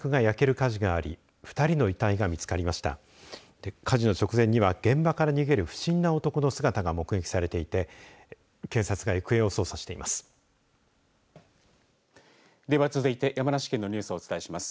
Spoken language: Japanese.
火事の直前には現場から逃げる不審な男の姿が目撃されていて警察が行方を捜査しています。